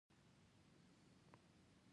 نور د رڼا برخه ده.